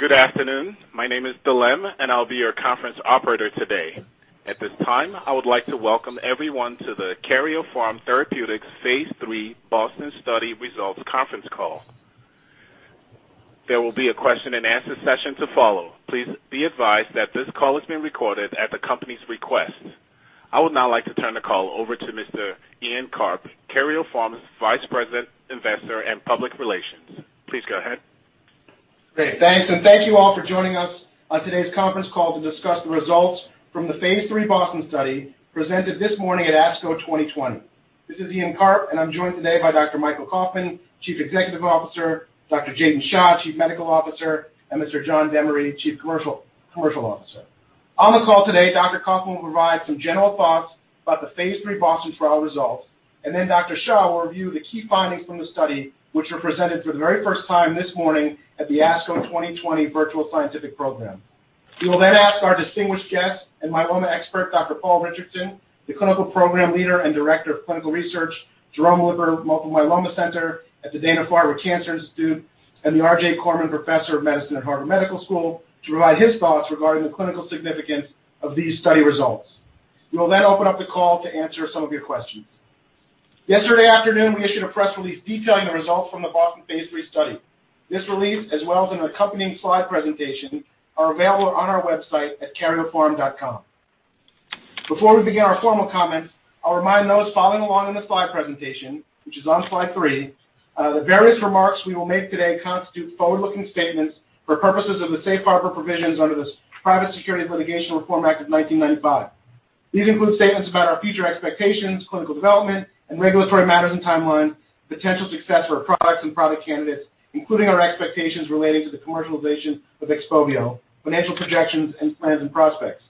Good afternoon. My name is Dylan, and I'll be your conference operator today. At this time, I would like to welcome everyone to the Karyopharm Therapeutics phase III BOSTON study Results Conference Call. There will be a question and answer session to follow. Please be advised that this call is being recorded at the company's request. I would now like to turn the call over to Mr. Ian Karp, Karyopharm's Vice President, Investor and Public Relations. Please go ahead. Great. Thanks, and thank you all for joining us on today's conference call to discuss the results from the Phase III BOSTON study presented this morning at ASCO 2020. This is Ian Karp, and I'm joined today by Dr. Michael Kauffman, Chief Executive Officer, Dr. Jatin Shah, Chief Medical Officer, and Mr. John Demaree, Chief Commercial Officer. On the call today, Dr. Kauffman will provide some general thoughts about the Phase III BOSTON trial results, and then Dr. Shah will review the key findings from the study, which were presented for the very first time this morning at the ASCO 2020 Virtual Scientific Program. We will then ask our distinguished guest and myeloma expert, Dr. Paul Richardson, the Clinical Program Leader and Director of Clinical Research, Jerome Lipper Multiple Myeloma Center at the Dana-Farber Cancer Institute, and the R.J. Corman Professor of Medicine at Harvard Medical School, to provide his thoughts regarding the clinical significance of these study results. We will open up the call to answer some of your questions. Yesterday afternoon, we issued a press release detailing the results from the BOSTON phase III study. This release, as well as an accompanying slide presentation, are available on our website at karyopharm.com. Before we begin our formal comments, I'll remind those following along in the slide presentation, which is on slide three, the various remarks we will make today constitute forward-looking statements for purposes of the Safe Harbor provisions under the Private Securities Litigation Reform Act of 1995. These include statements about our future expectations, clinical development, and regulatory matters and timeline, potential success for products and product candidates, including our expectations relating to the commercialization of XPOVIO, financial projections, and plans and prospects.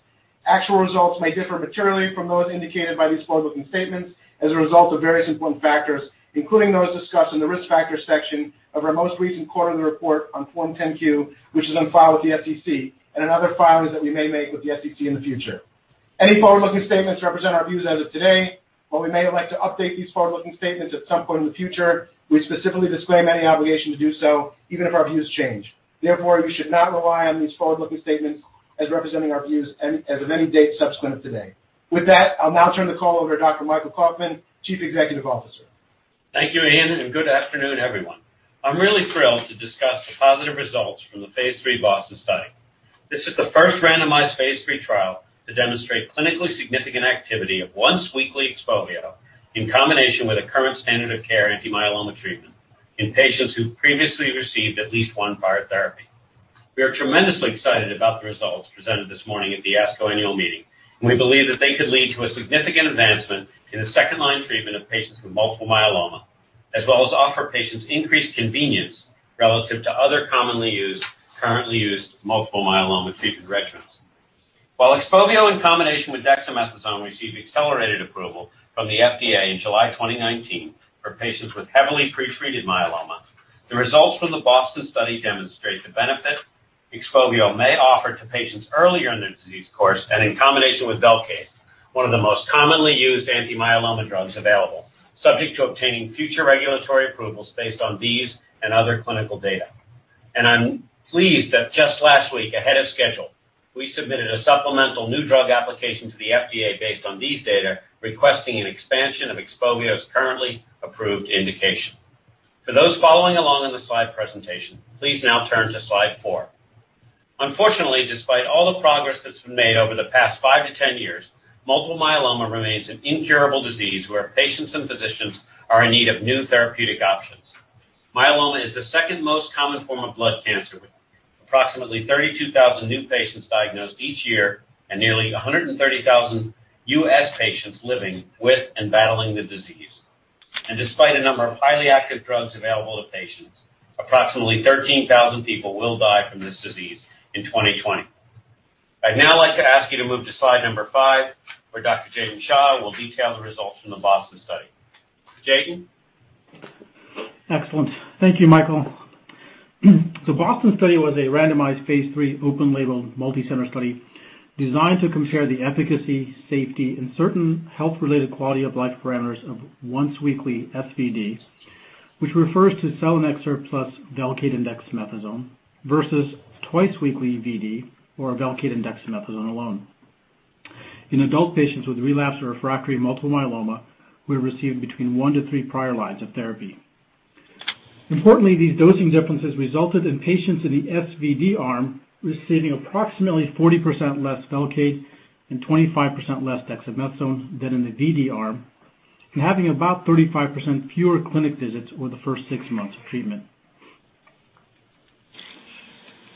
Actual results may differ materially from those indicated by these forward-looking statements as a result of various important factors, including those discussed in the Risk Factors section of our most recent quarterly report on Form 10-Q, which is on file with the SEC, and in other filings that we may make with the SEC in the future. Any forward-looking statements represent our views as of today. While we may elect to update these forward-looking statements at some point in the future, we specifically disclaim any obligation to do so, even if our views change. Therefore, you should not rely on these forward-looking statements as representing our views as of any date subsequent to today. With that, I'll now turn the call over to Dr. Michael Kauffman, Chief Executive Officer. Thank you, Ian. Good afternoon, everyone. I'm really thrilled to discuss the positive results from the phase III BOSTON study. This is the first randomized phase III trial to demonstrate clinically significant activity of once-weekly XPOVIO in combination with a current standard of care anti-myeloma treatment in patients who previously received at least one prior therapy. We are tremendously excited about the results presented this morning at the ASCO annual meeting. We believe that they could lead to a significant advancement in the second-line treatment of patients with multiple myeloma, as well as offer patients increased convenience relative to other commonly used, currently used multiple myeloma treatment regimens. While XPOVIO in combination with dexamethasone received accelerated approval from the FDA in July 2019 for patients with heavily pretreated myeloma, the results from the BOSTON study demonstrate the benefit XPOVIO may offer to patients earlier in their disease course and in combination with VELCADE, one of the most commonly used anti-myeloma drugs available, subject to obtaining future regulatory approvals based on these and other clinical data. I'm pleased that just last week, ahead of schedule, we submitted a supplemental new drug application to the FDA based on these data, requesting an expansion of XPOVIO's currently approved indication. For those following along in the slide presentation, please now turn to slide four. Unfortunately, despite all the progress that's been made over the past 5-10 years, multiple myeloma remains an incurable disease where patients and physicians are in need of new therapeutic options. Myeloma is the second most common form of blood cancer, with approximately 32,000 new patients diagnosed each year and nearly 130,000 U.S. patients living with and battling the disease. Despite a number of highly active drugs available to patients, approximately 13,000 people will die from this disease in 2020. I'd now like to ask you to move to slide number five, where Dr. Jatin Shah will detail the results from the BOSTON study. Jatin? Excellent. Thank you, Michael. The BOSTON study was a randomized phase III open-label multicenter study designed to compare the efficacy, safety, and certain health-related quality of life parameters of once-weekly SVd, which refers to selinexor plus VELCADE and dexamethasone, versus twice-weekly Vd or VELCADE and dexamethasone alone in adult patients with relapsed or refractory multiple myeloma who have received between one to three prior lines of therapy. Importantly, these dosing differences resulted in patients in the SVd arm receiving approximately 40% less VELCADE and 25% less dexamethasone than in the Vd arm and having about 35% fewer clinic visits over the first six months of treatment.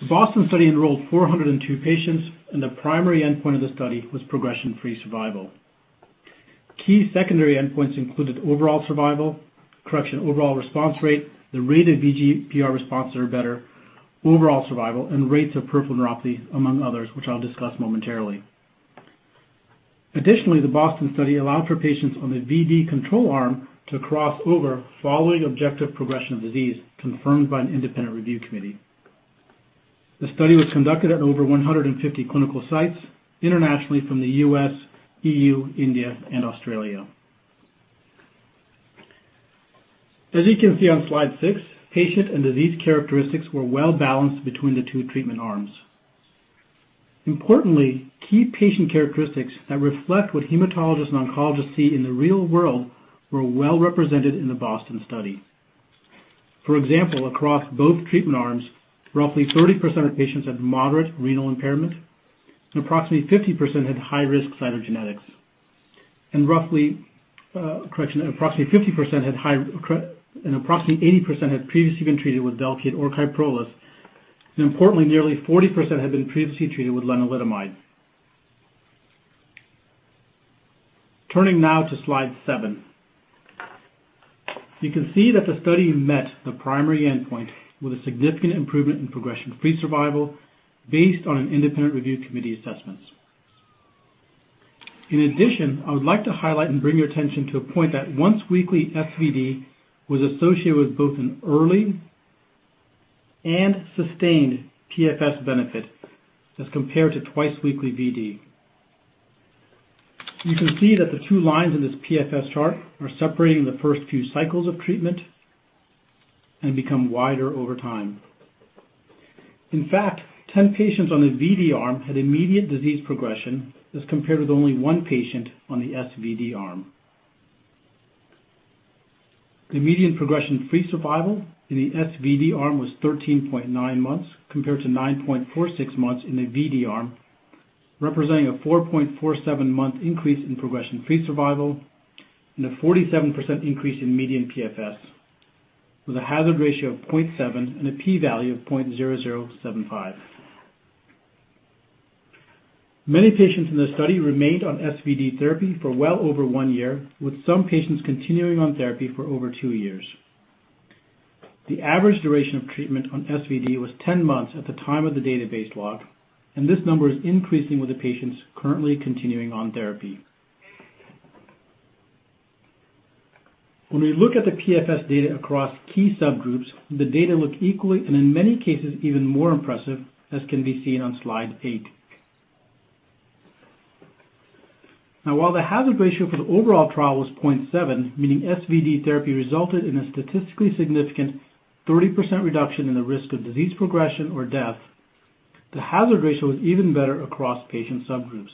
The BOSTON study enrolled 402 patients, the primary endpoint of the study was progression-free survival. Key secondary endpoints included overall response rate, the rate of VGPR response or better, overall survival, and rates of peripheral neuropathy, among others, which I'll discuss momentarily. The BOSTON study allowed for patients on the Vd control arm to cross over following objective progression of disease confirmed by an independent review committee. The study was conducted at over 150 clinical sites internationally from the U.S., EU, India, and Australia. As you can see on slide six, patient and disease characteristics were well-balanced between the two treatment arms. Importantly, key patient characteristics that reflect what hematologists and oncologists see in the real world were well-represented in the BOSTON study. For example, across both treatment arms, roughly 30% of patients had moderate renal impairment, and approximately 50% had high-risk cytogenetics. Approximately 80% had previously been treated with VELCADE or KYPROLIS. Importantly, nearly 40% had been previously treated with lenalidomide. Turning now to slide seven. You can see that the study met the primary endpoint with a significant improvement in progression-free survival based on an independent review committee assessment. In addition, I would like to highlight and bring your attention to a point that once-weekly SVd was associated with both an early and sustained PFS benefit as compared to twice-weekly Vd. You can see that the two lines in this PFS chart are separating in the first few cycles of treatment and become wider over time. In fact, 10 patients on the Vd arm had immediate disease progression, as compared with only one patient on the SVd arm. The median progression-free survival in the SVd arm was 13.9 months, compared to 9.46 months in the Vd arm, representing a 4.47-month increase in progression-free survival and a 47% increase in median PFS, with a hazard ratio of 0.7 and a P value of 0.0075. Many patients in the study remained on SVd therapy for well over one year, with some patients continuing on therapy for over two years. The average duration of treatment on SVd was 10 months at the time of the database lock, and this number is increasing with the patients currently continuing on therapy. When we look at the PFS data across key subgroups, the data look equally, and in many cases, even more impressive, as can be seen on slide eight. While the hazard ratio for the overall trial was 0.7, meaning SVd therapy resulted in a statistically significant 30% reduction in the risk of disease progression or death, the hazard ratio was even better across patient subgroups.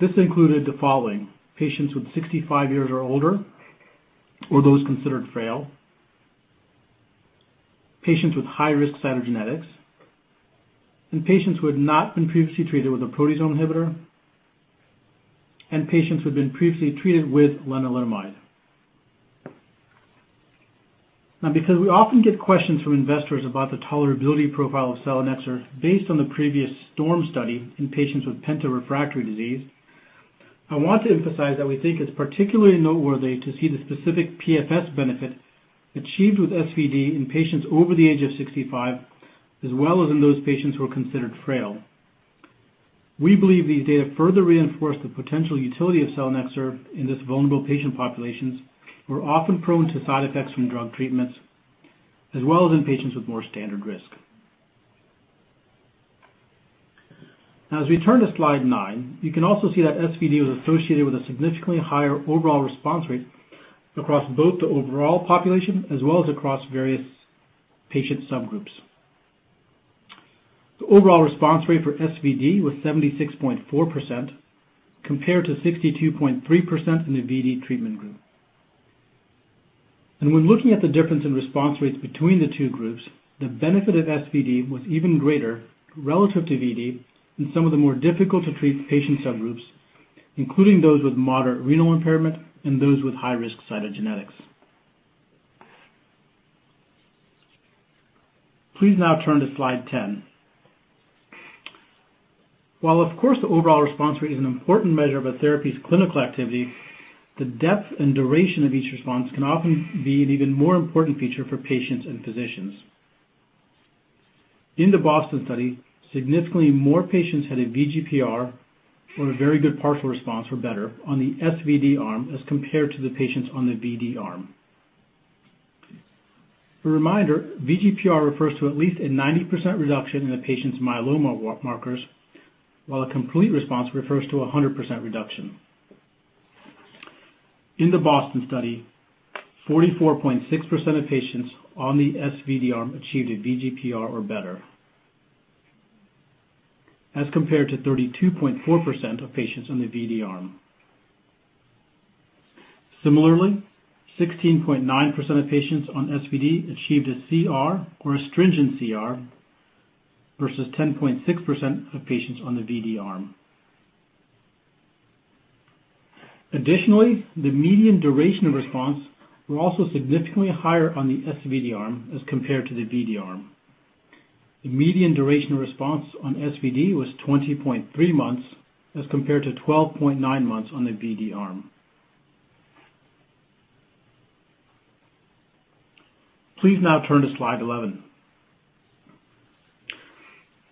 This included the following. Patients with 65 years or older or those considered frail, patients with high-risk cytogenetics, and patients who had not been previously treated with a proteasome inhibitor, and patients who had been previously treated with lenalidomide. Because we often get questions from investors about the tolerability profile of selinexor based on the previous STORM study in patients with penta-refractory disease, I want to emphasize that we think it's particularly noteworthy to see the specific PFS benefit achieved with SVd in patients over the age of 65, as well as in those patients who are considered frail. We believe these data further reinforce the potential utility of selinexor in this vulnerable patient populations, who are often prone to side effects from drug treatments, as well as in patients with more standard risk. As we turn to slide nine, you can also see that SVd was associated with a significantly higher overall response rate across both the overall population as well as across various patient subgroups. The overall response rate for SVd was 76.4%, compared to 62.3% in the Vd treatment group. When looking at the difference in response rates between the two groups, the benefit of SVd was even greater relative to Vd in some of the more difficult-to-treat patient subgroups, including those with moderate renal impairment and those with high-risk cytogenetics. Please now turn to slide 10. While, of course, the overall response rate is an important measure of a therapy's clinical activity, the depth and duration of each response can often be an even more important feature for patients and physicians. In the BOSTON study, significantly more patients had a VGPR or a very good partial response or better on the SVd arm as compared to the patients on the Vd arm. A reminder, VGPR refers to at least a 90% reduction in the patient's myeloma markers, while a complete response refers to a 100% reduction. In the BOSTON study, 44.6% of patients on the SVd arm achieved a VGPR or better, as compared to 32.4% of patients on the Vd arm. Similarly, 16.9% of patients on SVd achieved a CR or a stringent CR versus 10.6% of patients on the Vd arm. Additionally, the median duration of response were also significantly higher on the SVd arm as compared to the Vd arm. The median duration of response on SVd was 20.3 months as compared to 12.9 months on the Vd arm. Please now turn to slide 11.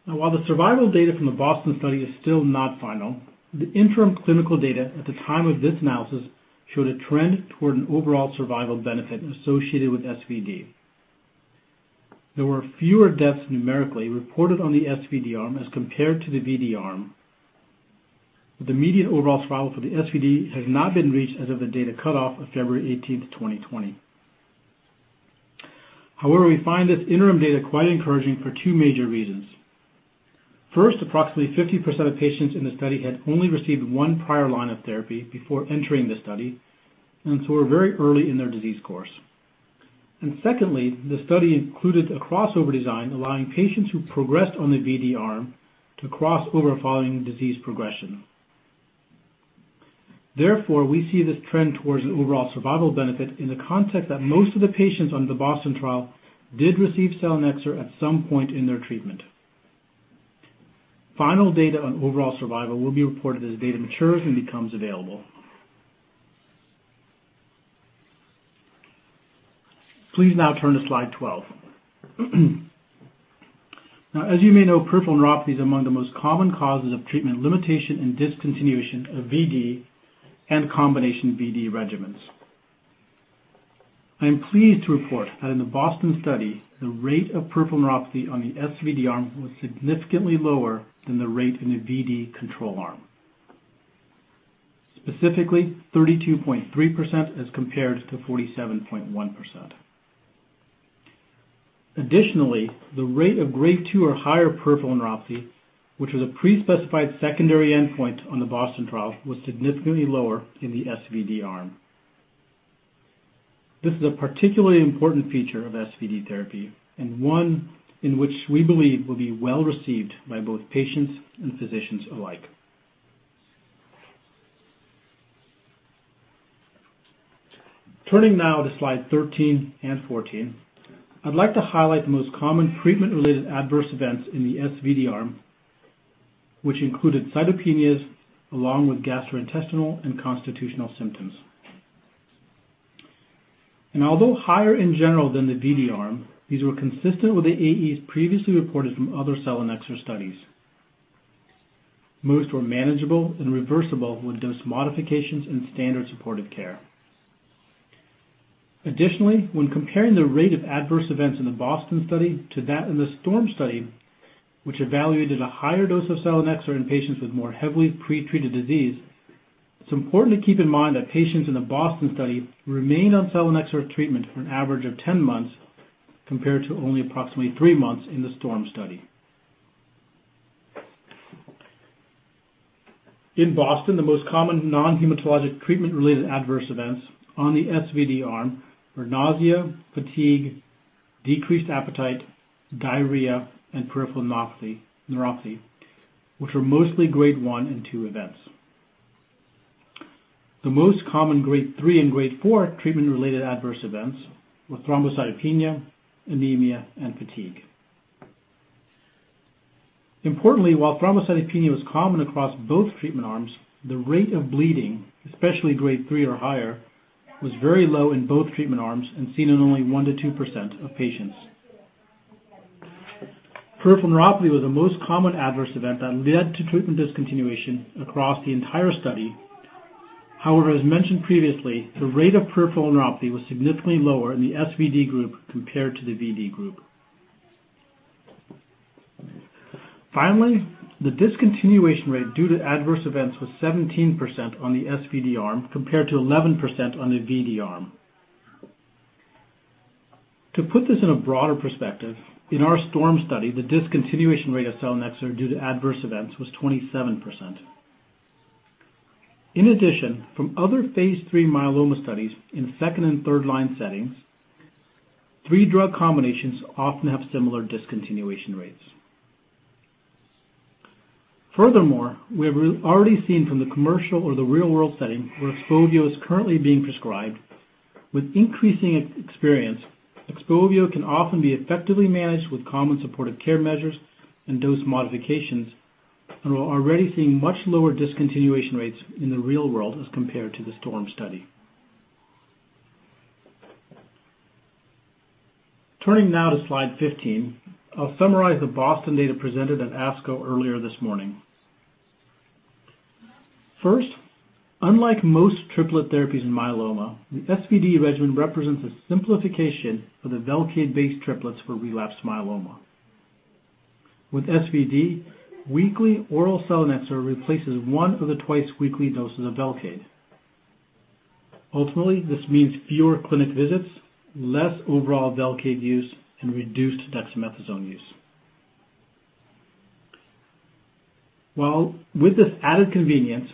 While the survival data from the BOSTON study is still not final, the interim clinical data at the time of this analysis showed a trend toward an overall survival benefit associated with SVd. There were fewer deaths numerically reported on the SVd arm as compared to the Vd arm. The immediate overall survival for the SVd has not been reached as of the data cutoff of February 18th, 2020. However, we find this interim data quite encouraging for two major reasons. First, approximately 50% of patients in the study had only received one prior line of therapy before entering the study and so are very early in their disease course, and secondly, the study included a crossover design allowing patients who progressed on the Vd arm to cross over following disease progression. Therefore, we see this trend towards an overall survival benefit in the context that most of the patients on the BOSTON trial did receive selinexor at some point in their treatment. Final data on overall survival will be reported as data matures and becomes available. Please now turn to slide 12. Now, as you may know, peripheral neuropathy is among the most common causes of treatment limitation and discontinuation of Vd and combination Vd regimens. I am pleased to report that in the BOSTON study, the rate of peripheral neuropathy on the SVd arm was significantly lower than the rate in the Vd control arm. Specifically, 32.3% as compared to 47.1%. Additionally, the rate of Grade 2 or higher peripheral neuropathy, which was a pre-specified secondary endpoint on the BOSTON trial, was significantly lower in the SVd arm. This is a particularly important feature of SVd therapy and one in which we believe will be well-received by both patients and physicians alike. Turning now to slide 13 and 14, I'd like to highlight the most common treatment-related adverse events in the SVd arm, which included cytopenias along with gastrointestinal and constitutional symptoms. Although higher in general than the Vd arm, these were consistent with the AEs previously reported from other selinexor studies. Most were manageable and reversible with dose modifications and standard supportive care. Additionally, when comparing the rate of adverse events in the BOSTON study to that in the STORM study, which evaluated a higher dose of selinexor in patients with more heavily pre-treated disease, it's important to keep in mind that patients in the BOSTON study remained on selinexor treatment for an average of 10 months, compared to only approximately three months in the STORM study. In BOSTON, the most common non-hematologic treatment-related adverse events on the SVd arm were nausea, fatigue, decreased appetite, diarrhea, and peripheral neuropathy, which were mostly Grade 1 and 2 events. The most common Grade 3 and Grade 4 treatment-related adverse events were thrombocytopenia, anemia, and fatigue. Importantly, while thrombocytopenia was common across both treatment arms, the rate of bleeding, especially Grade 3 or higher, was very low in both treatment arms and seen in only 1%-2% of patients. Peripheral neuropathy was the most common adverse event that led to treatment discontinuation across the entire study. However, as mentioned previously, the rate of peripheral neuropathy was significantly lower in the SVd group compared to the Vd group. Finally, the discontinuation rate due to adverse events was 17% on the SVd arm, compared to 11% on the Vd arm. To put this in a broader perspective, in our STORM study, the discontinuation rate of selinexor due to adverse events was 27%. In addition, from other phase III myeloma studies in second and third line settings, three drug combinations often have similar discontinuation rates. Furthermore, we have already seen from the commercial or the real-world setting where XPOVIO is currently being prescribed. With increasing experience, XPOVIO can often be effectively managed with common supportive care measures and dose modifications, and we're already seeing much lower discontinuation rates in the real world as compared to the STORM study. Turning now to slide 15, I'll summarize the BOSTON data presented at ASCO earlier this morning. First, unlike most triplet therapies in myeloma, the SVd regimen represents a simplification of the VELCADE-based triplets for relapsed myeloma. With SVd, weekly oral selinexor replaces one of the twice weekly doses of VELCADE. Ultimately, this means fewer clinic visits, less overall VELCADE use, and reduced dexamethasone use. Well, with this added convenience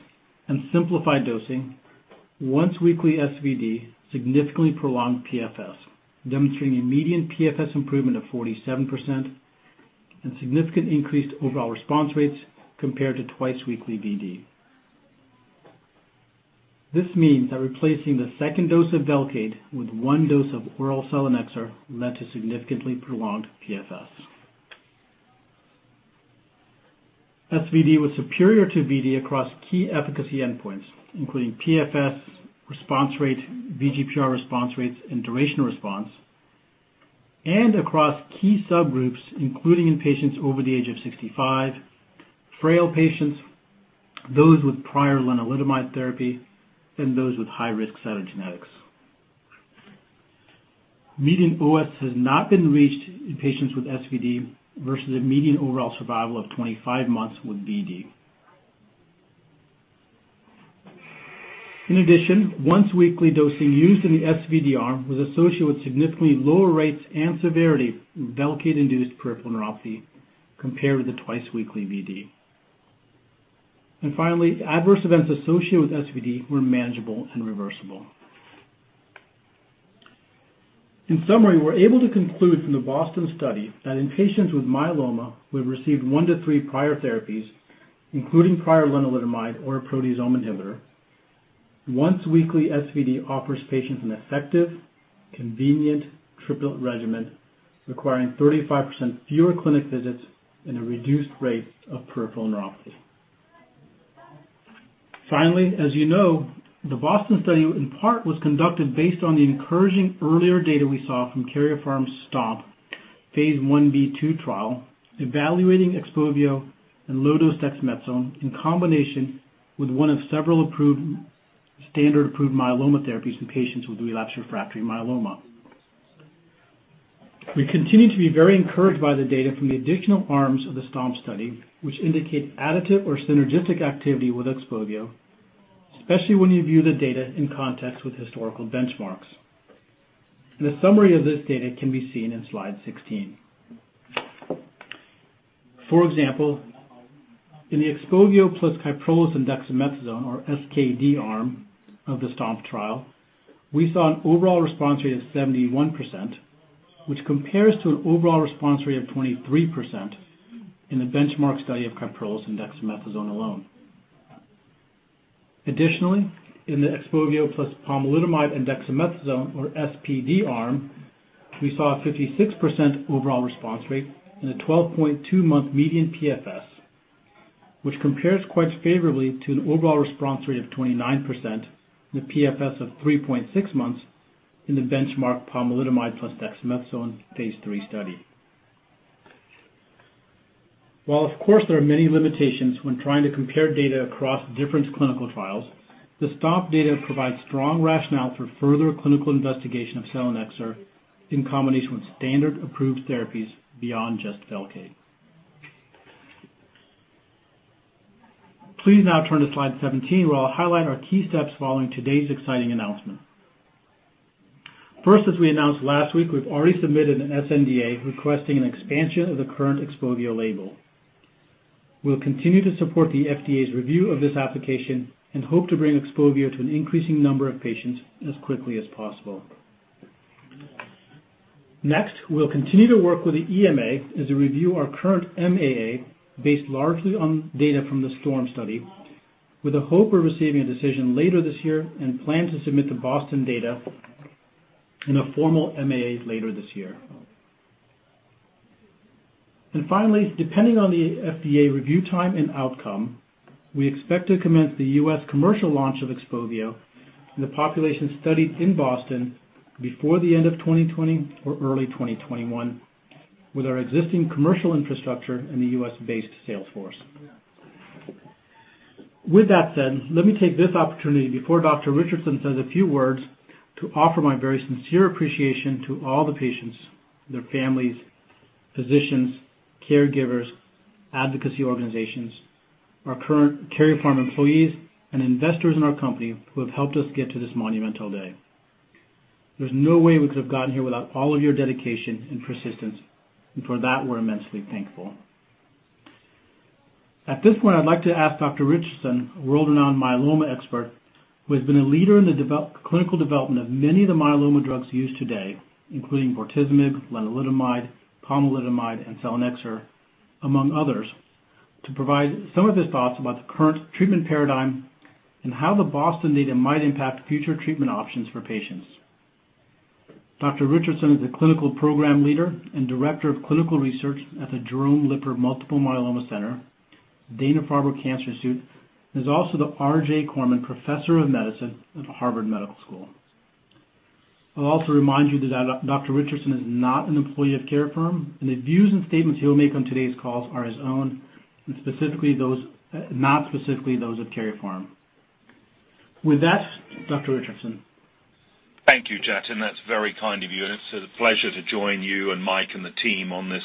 and simplified dosing, once-weekly SVd significantly prolonged PFS, demonstrating a median PFS improvement of 47% and significant increased overall response rates compared to twice-weekly Vd. This means that replacing the second dose of VELCADE with one dose of oral selinexor led to significantly prolonged PFS. SVd was superior to Vd across key efficacy endpoints, including PFS response rate, VGPR response rates, and duration response, and across key subgroups, including in patients over the age of 65, frail patients, those with prior lenalidomide therapy and those with high-risk cytogenetics. Median OS has not been reached in patients with SVd versus a median overall survival of 25 months with Vd. In addition, once-weekly dosing used in the SVd arm was associated with significantly lower rates and severity in VELCADE-induced peripheral neuropathy compared with the twice-weekly Vd. Finally, adverse events associated with SVd were manageable and reversible. In summary, we're able to conclude from the BOSTON study that in patients with myeloma who have received one to three prior therapies, including prior lenalidomide or a proteasome inhibitor, once-weekly SVd offers patients an effective, convenient triple regimen requiring 35% fewer clinic visits and a reduced rate of peripheral neuropathy. Finally, as you know, the BOSTON study, in part, was conducted based on the encouraging earlier data we saw from Karyopharm's STOMP Phase I-B/II trial evaluating XPOVIO and low-dose dexamethasone in combination with one of several standard approved myeloma therapies in patients with relapsed or refractory myeloma. We continue to be very encouraged by the data from the additional arms of the STOMP study, which indicate additive or synergistic activity with XPOVIO, especially when you view the data in context with historical benchmarks. A summary of this data can be seen in slide 16. For example, in the XPOVIO plus KYPROLIS and dexamethasone, or XKd arm of the STOMP trial, we saw an overall response rate of 71%, which compares to an overall response rate of 23% in the benchmark study of KYPROLIS and dexamethasone alone. Additionally, in the XPOVIO plus pomalidomide and dexamethasone, or SPd arm, we saw a 56% overall response rate and a 12.2-month median PFS, which compares quite favorably to an overall response rate of 29% and a PFS of 3.6 months in the benchmark pomalidomide plus dexamethasone phase III study. While of course there are many limitations when trying to compare data across different clinical trials, the STOMP data provides strong rationale for further clinical investigation of selinexor in combination with standard approved therapies beyond just VELCADE. Please now turn to slide 17, where I'll highlight our key steps following today's exciting announcement. First, as we announced last week, we've already submitted an sNDA requesting an expansion of the current XPOVIO label. We'll continue to support the FDA's review of this application and hope to bring XPOVIO to an increasing number of patients as quickly as possible. We'll continue to work with the EMA as they review our current MAA, based largely on data from the STORM study, with a hope of receiving a decision later this year and plan to submit the BOSTON data in a formal MAA later this year. Finally, depending on the FDA review time and outcome, we expect to commence the U.S. commercial launch of XPOVIO in the population studied in BOSTON before the end of 2020 or early 2021 with our existing commercial infrastructure and the U.S.-based sales force. With that said, let me take this opportunity before Dr. Richardson says a few words to offer my very sincere appreciation to all the patients, their families, physicians, caregivers, advocacy organizations, our current Karyopharm employees, and investors in our company who have helped us get to this monumental day. There's no way we could have gotten here without all of your dedication and persistence, and for that, we're immensely thankful. At this point, I'd like to ask Dr. Richardson, a world-renowned myeloma expert who has been a leader in the clinical development of many of the myeloma drugs used today, including bortezomib, lenalidomide, pomalidomide, and selinexor, among others, to provide some of his thoughts about the current treatment paradigm and how the BOSTON data might impact future treatment options for patients. Dr. Richardson is a clinical program leader and director of clinical research at the Jerome Lipper Multiple Myeloma Center, Dana-Farber Cancer Institute, and is also the R.J. Corman Professor of Medicine at Harvard Medical School. I'll also remind you that Dr. Richardson is not an employee of Karyopharm, and the views and statements he'll make on today's call are his own, and not specifically those of Karyopharm. With that, Dr. Richardson. Thank you, Jatin. That's very kind of you, and it's a pleasure to join you and Mike and the team on this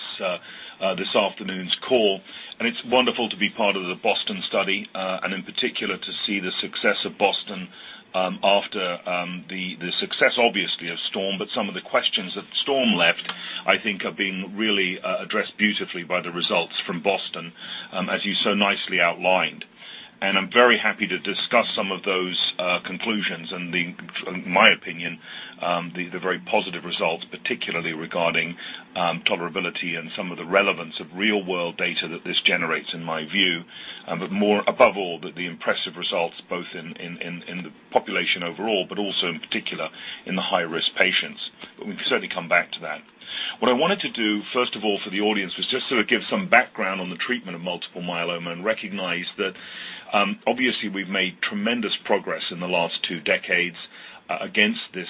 afternoon's call. It's wonderful to be part of the BOSTON study, and in particular to see the success of BOSTON after the success, obviously, of STORM. Some of the questions that STORM left, I think, are being really addressed beautifully by the results from BOSTON, as you so nicely outlined. I'm very happy to discuss some of those conclusions and, in my opinion, the very positive results, particularly regarding tolerability and some of the relevance of real-world data that this generates, in my view. Above all, that the impressive results both in the population overall, but also in particular in the high-risk patients. We can certainly come back to that. What I wanted to do, first of all, for the audience, was just sort of give some background on the treatment of multiple myeloma and recognize that obviously we've made tremendous progress in the last two decades against this,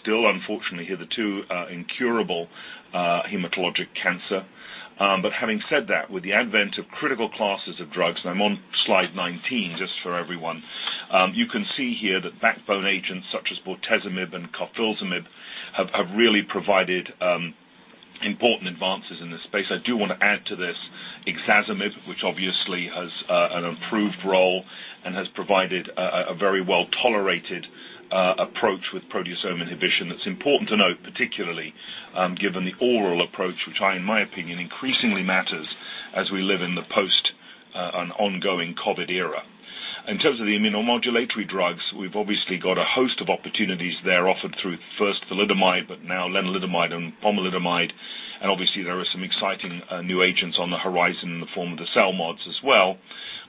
still unfortunately, the two incurable hematologic cancer. Having said that, with the advent of critical classes of drugs, and I'm on slide 19 just for everyone. You can see here that backbone agents such as bortezomib and carfilzomib have really provided important advances in this space. I do want to add to this ixazomib, which obviously has an approved role and has provided a very well-tolerated approach with proteasome inhibition, that's important to note, particularly given the oral approach, which in my opinion, increasingly matters as we live in the post and ongoing COVID era. In terms of the immunomodulatory drugs, we've obviously got a host of opportunities there offered through first thalidomide, but now lenalidomide and pomalidomide, and obviously there are some exciting new agents on the horizon in the form of the CELMoDs as well.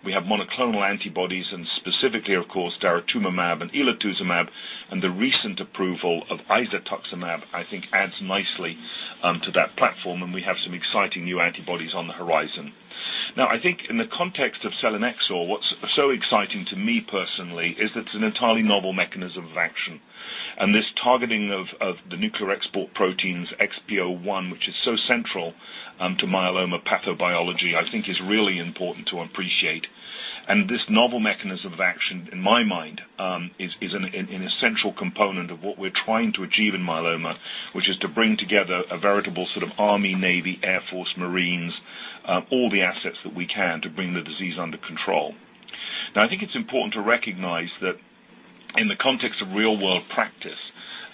We have monoclonal antibodies and specifically, of course, daratumumab and elotuzumab, and the recent approval of isatuximab, I think adds nicely to that platform, and we have some exciting new antibodies on the horizon. Now, I think in the context of selinexor, what's so exciting to me personally is it's an entirely novel mechanism of action. This targeting of the nuclear export proteins XPO1, which is so central to myeloma pathobiology, I think is really important to appreciate. This novel mechanism of action, in my mind, is an essential component of what we're trying to achieve in myeloma, which is to bring together a veritable sort of Army, Navy, Air Force, Marines, all the assets that we can to bring the disease under control. I think it's important to recognize that in the context of real-world practice,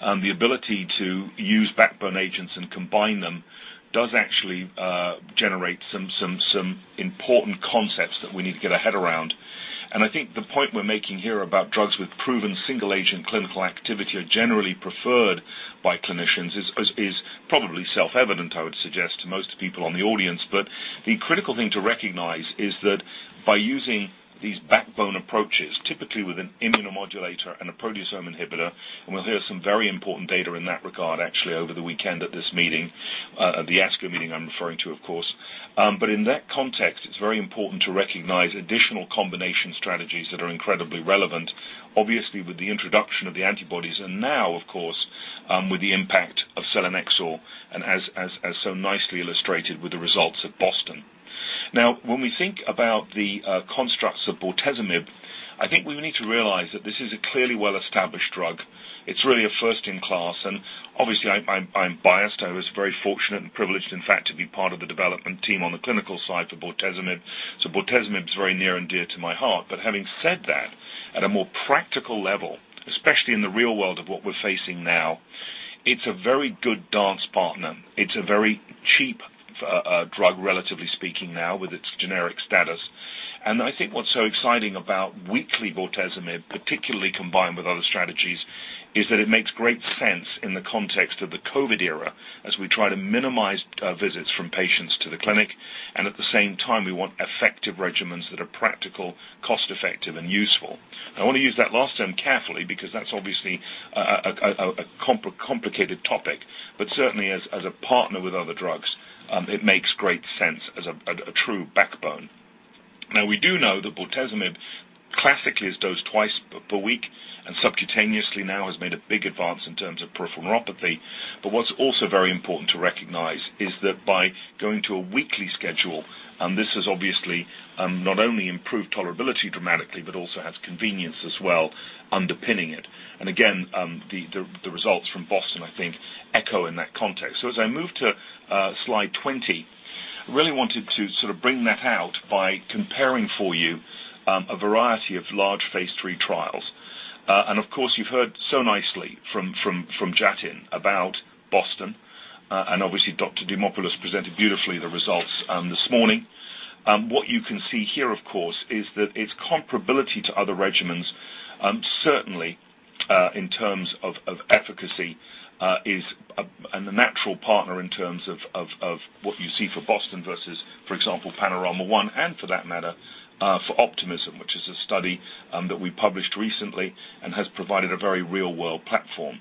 the ability to use backbone agents and combine them does actually generate some important concepts that we need to get our head around. I think the point we're making here about drugs with proven single-agent clinical activity are generally preferred by clinicians is probably self-evident, I would suggest to most people in the audience. The critical thing to recognize is that by using these backbone approaches, typically with an immunomodulator and a proteasome inhibitor, and we'll hear some very important data in that regard actually over the weekend at this meeting, at the ASCO meeting I'm referring to, of course. In that context, it's very important to recognize additional combination strategies that are incredibly relevant, obviously, with the introduction of the antibodies and now, of course, with the impact of selinexor and as so nicely illustrated with the results of BOSTON. When we think about the constructs of bortezomib, I think we need to realize that this is a clearly well-established drug. It's really a first in class, and obviously, I'm biased. I was very fortunate and privileged, in fact, to be part of the development team on the clinical side for bortezomib. Bortezomib is very near and dear to my heart. Having said that, at a more practical level, especially in the real world of what we're facing now, it's a very good dance partner. It's a very cheap drug, relatively speaking now with its generic status. I think what's so exciting about weekly bortezomib, particularly combined with other strategies, is that it makes great sense in the context of the COVID era as we try to minimize visits from patients to the clinic, and at the same time, we want effective regimens that are practical, cost-effective, and useful. I want to use that last term carefully because that's obviously a complicated topic. Certainly as a partner with other drugs, it makes great sense as a true backbone. We do know that bortezomib classically is dosed twice per week and subcutaneously now has made a big advance in terms of peripheral neuropathy. What's also very important to recognize is that by going to a weekly schedule, this has obviously not only improved tolerability dramatically but also has convenience as well underpinning it. Again, the results from BOSTON, I think, echo in that context. As I move to slide 20, I really wanted to sort of bring that out by comparing for you a variety of large phase III trials. Of course, you've heard so nicely from Jatin about BOSTON. Obviously, Dr. Dimopoulos presented beautifully the results this morning. What you can see here, of course, is that its comparability to other regimens certainly, in terms of efficacy, and the natural partner in terms of what you see for BOSTON versus, for example, PANORAMA 1, and for that matter, for OPTIMISMM, which is a study that we published recently and has provided a very real-world platform.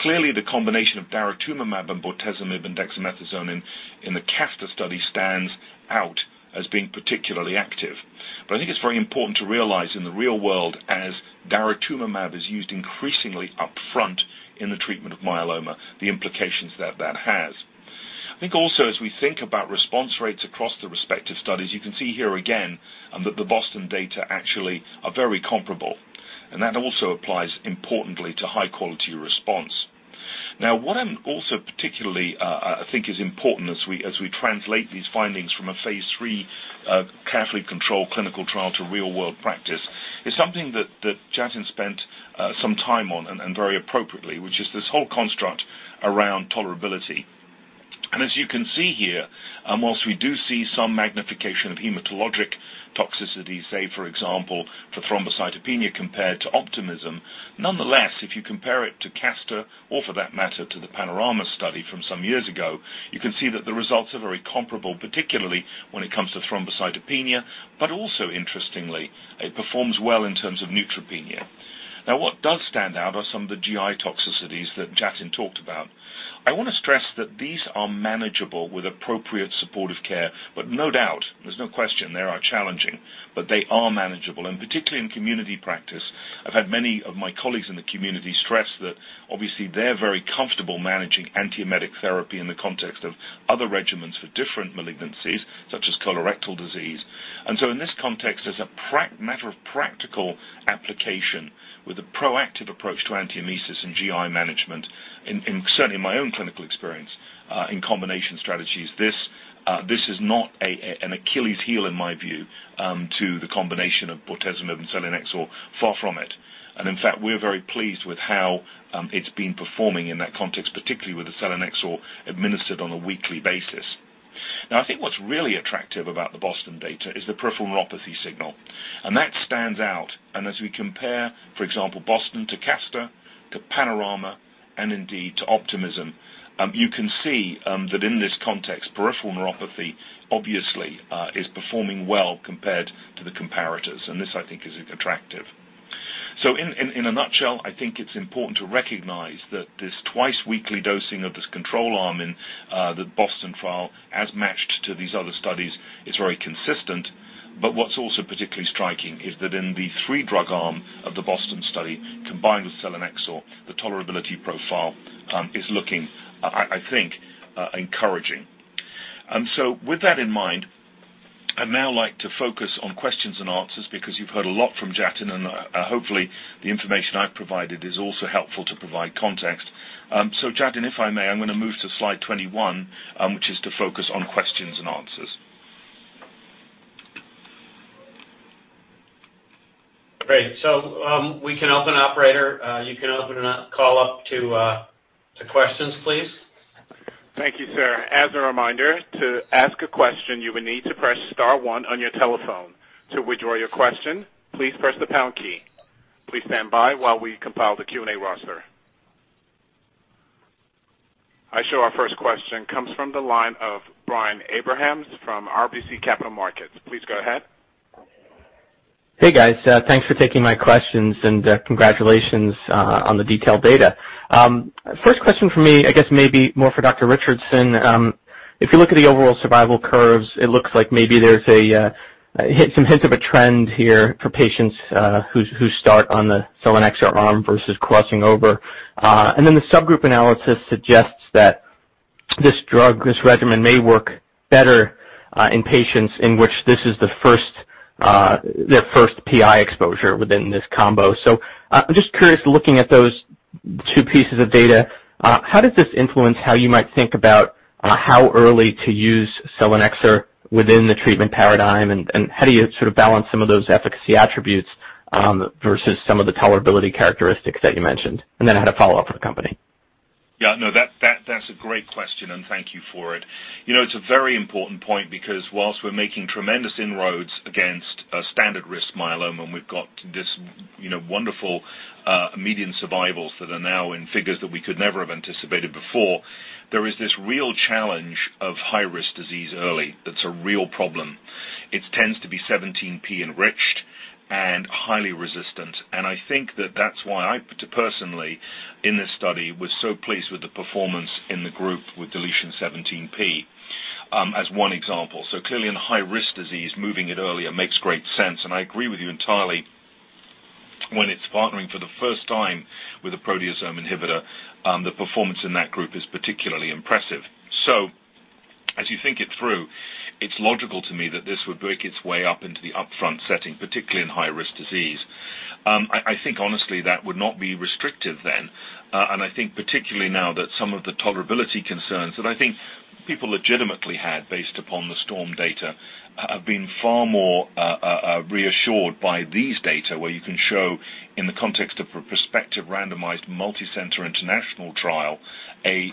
Clearly, the combination of daratumumab and bortezomib and dexamethasone in the CASTOR study stands out as being particularly active. I think it's very important to realize in the real world as daratumumab is used increasingly upfront in the treatment of myeloma, the implications that that has. I think also as we think about response rates across the respective studies, you can see here again that the BOSTON data actually are very comparable. That also applies importantly to high-quality response. What I'm also particularly I think is important as we translate these findings from a phase III carefully controlled clinical trial to real-world practice is something that Jatin spent some time on, and very appropriately, which is this whole construct around tolerability. As you can see here, whilst we do see some magnification of hematologic toxicity, say, for example, for thrombocytopenia compared to OPTIMISMM, nonetheless, if you compare it to CASTOR or for that matter, to the PANORAMA 1 study from some years ago, you can see that the results are very comparable, particularly when it comes to thrombocytopenia. Also interestingly, it performs well in terms of neutropenia. What does stand out are some of the GI toxicities that Jatin talked about. I want to stress that these are manageable with appropriate supportive care, but, no doubt, there's no question they are challenging. They are manageable, and particularly in community practice. I've had many of my colleagues in the community stress that obviously they're very comfortable managing antiemetic therapy in the context of other regimens for different malignancies, such as colorectal disease. In this context, as a matter of practical application, with a proactive approach to antiemesis and GI management, and certainly my own clinical experience, in combination strategies, this is not an Achilles heel, in my view, to the combination of bortezomib and selinexor, far from it. In fact, we're very pleased with how it's been performing in that context, particularly with the selinexor administered on a weekly basis. I think what's really attractive about the BOSTON data is the peripheral neuropathy signal. That stands out. As we compare, for example, BOSTON to CASTOR, to PANORAMA 1, and indeed to OPTIMISMM, you can see that in this context, peripheral neuropathy obviously is performing well compared to the comparators, and this, I think, is attractive. In a nutshell, I think it's important to recognize that this twice-weekly dosing of this control arm in the BOSTON trial, as matched to these other studies, is very consistent. What's also particularly striking is that in the three-drug arm of the BOSTON study, combined with selinexor, the tolerability profile is looking, I think, encouraging. With that in mind, I'd now like to focus on questions and answers, because you've heard a lot from Jatin, and hopefully, the information I've provided is also helpful to provide context. Jatin, if I may, I'm going to move to slide 21, which is to focus on questions and answers. Great. We can open, operator. You can open a call up to questions, please. Thank you, sir. As a reminder, to ask a question, you will need to press star one on your telephone. To withdraw your question, please press the pound key. Please stand by while we compile the Q&A roster. I show our first question comes from the line of Brian Abrahams from RBC Capital Markets. Please go ahead. Hey, guys. Thanks for taking my questions. Congratulations on the detailed data. First question from me, I guess maybe more for Dr. Richardson. If you look at the overall survival curves, it looks like maybe there's some hint of a trend here for patients who start on the selinexor arm versus crossing over. The subgroup analysis suggests that this drug, this regimen, may work better in patients in which this is their first PI exposure within this combo. I'm just curious, looking at those two pieces of data, how does this influence how you might think about how early to use selinexor within the treatment paradigm, and how do you sort of balance some of those efficacy attributes versus some of the tolerability characteristics that you mentioned? I had a follow-up for the company. Yeah, no, that's a great question, and thank you for it. It's a very important point because whilst we're making tremendous inroads against standard-risk myeloma, and we've got these wonderful median survivals that are now in figures that we could never have anticipated before. There is this real challenge of high-risk disease early that's a real problem. It tends to be 17p-enriched and highly resistant. I think that that's why I, personally, in this study, was so pleased with the performance in the group with deletion 17p, as one example. Clearly, in high-risk disease, moving it earlier makes great sense. I agree with you entirely, when it's partnering for the first time with a proteasome inhibitor, the performance in that group is particularly impressive. As you think it through, it's logical to me that this would work its way up into the upfront setting, particularly in high-risk disease. I think honestly that would not be restrictive then, and I think particularly now that some of the tolerability concerns that I think people legitimately had based upon the STORM data, have been far more reassured by these data where you can show in the context of a prospective, randomized, multi-center international trial, the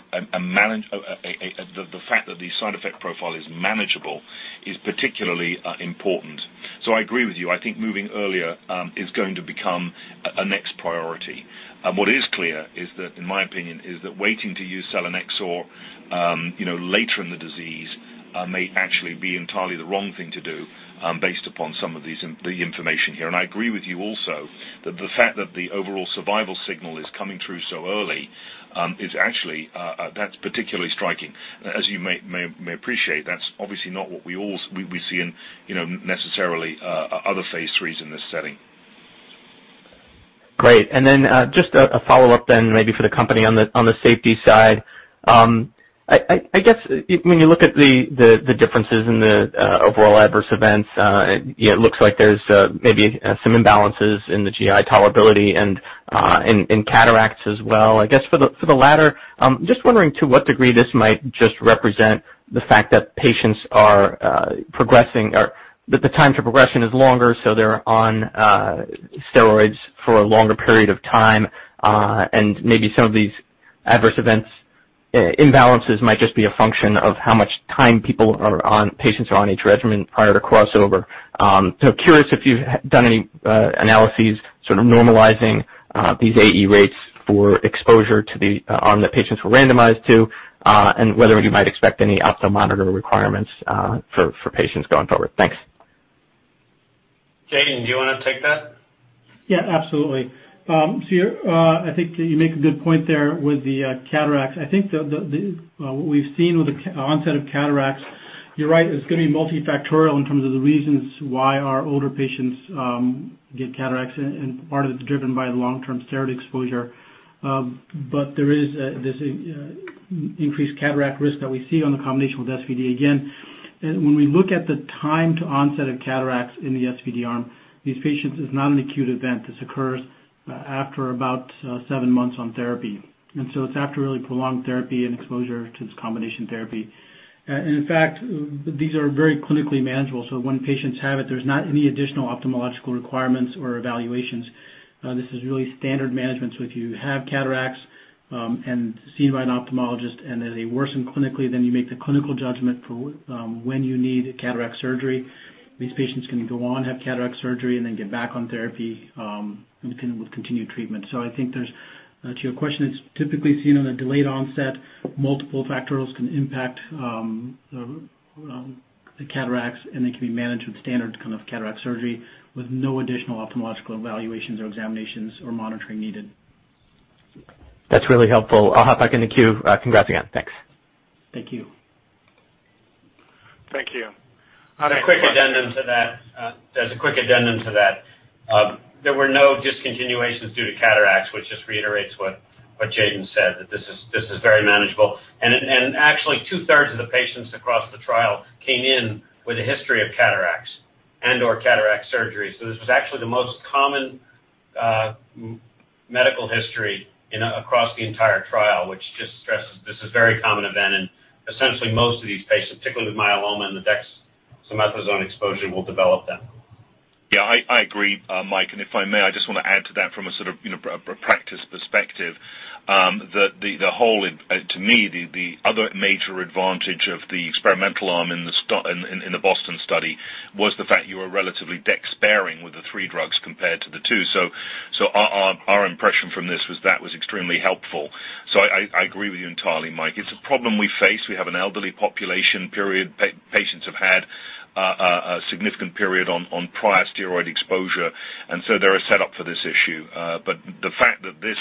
fact that the side effect profile is manageable is particularly important. I agree with you. I think moving earlier is going to become a next priority. What is clear is that, in my opinion, is that waiting to use selinexor later in the disease, may actually be entirely the wrong thing to do, based upon some of the information here. I agree with you also that the fact that the overall survival signal is coming through so early is actually, that's particularly striking. As you may appreciate, that's obviously not what we see in necessarily other phase IIIs in this setting. Great. Just a follow-up then maybe for the company on the safety side. I guess when you look at the differences in the overall adverse events, it looks like there's maybe some imbalances in the GI tolerability and in cataracts as well. I guess for the latter, just wondering to what degree this might just represent the fact that patients are progressing or that the time to progression is longer, so they're on steroids for a longer period of time. Maybe some of these adverse event imbalances might just be a function of how much time patients are on each regimen prior to crossover. Curious if you've done any analyses sort of normalizing these AE rates for exposure to the arm that patients were randomized to, and whether you might expect any opto monitor requirements for patients going forward. Thanks. Jatin, do you want to take that? Yeah, absolutely. I think that you make a good point there with the cataracts. I think what we've seen with the onset of cataracts, you're right, it's going to be multifactorial in terms of the reasons why our older patients get cataracts, and part of it's driven by the long-term steroid exposure. There's increased cataract risk that we see on the combination with SVd. Again, when we look at the time to onset of cataracts in the SVd arm, these patients, it's not an acute event. This occurs after about seven months on therapy. It's after really prolonged therapy and exposure to this combination therapy. In fact, these are very clinically manageable. When patients have it, there's not any additional ophthalmological requirements or evaluations. This is really standard management. If you have cataracts, and seen by an ophthalmologist, and as they worsen clinically, then you make the clinical judgment for when you need cataract surgery. These patients can go on, have cataract surgery, and then get back on therapy, and with continued treatment. I think to your question, it's typically seen on a delayed onset. Multiple factors can impact the cataracts, and they can be managed with standard cataract surgery with no additional ophthalmological evaluations or examinations or monitoring needed. That's really helpful. I'll hop back in the queue. Congrats again. Thanks. Thank you. Thank you. A quick addendum to that. There were no discontinuations due to cataracts, which just reiterates what Jatin said, that this is very manageable. Actually, two-thirds of the patients across the trial came in with a history of cataracts and/or cataract surgery. This was actually the most common medical history across the entire trial, which just stresses this is a very common event, and essentially most of these patients, particularly with myeloma and the dexamethasone exposure, will develop them. Yeah, I agree, Mike. If I may, I just want to add to that from a sort of practice perspective, that the whole, to me, the other major advantage of the experimental arm in the BOSTON study was the fact you were relatively dex-sparing with the three drugs compared to the two. Our impression from this was that was extremely helpful. I agree with you entirely, Mike. It's a problem we face. We have an elderly population, period. Patients have had a significant period on prior steroid exposure, they're set up for this issue. The fact that this